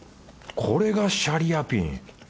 これがシャリアピン。